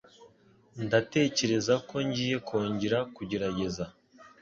Ndatekereza ko ngiye kongera kugerageza.